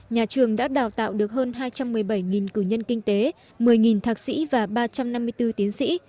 nhà trường đã đào tạo được hơn hai trăm một mươi bảy cử nhân kinh tế một mươi thạc sĩ và ba trăm năm mươi bốn tiến sĩ